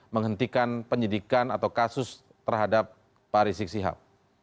menghentikan penyidikan atau kasus terhadap pak rizik sihab